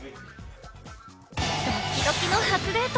ドキドキの初デート。